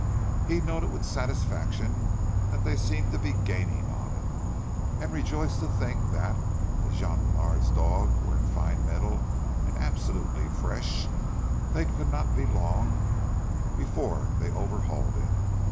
He noted with satisfaction that they seemed to be gaining on it; and rejoiced to think that, as Jean Bènard's dogs were in fine mettle and absolutely fresh, they could not be long before they overhauled it.